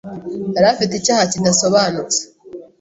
Yari afite icyaha kidasobanutse.